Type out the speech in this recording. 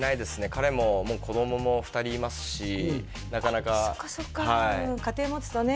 彼ももう子供も２人いますしなかなかそっかそっか家庭持つとね